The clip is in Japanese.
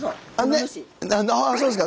そうですか。